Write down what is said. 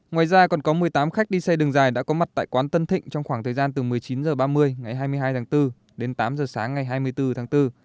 ngoài ra còn có một mươi tám khách đi xe đường dài đã có mặt tại quán tân thịnh trong khoảng thời gian từ một mươi chín h ba mươi ngày hai mươi hai tháng bốn đến tám h sáng ngày hai mươi bốn tháng bốn